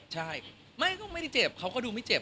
ใช่ไม่ก็ไม่ได้เจ็บเขาก็ดูไม่เจ็บ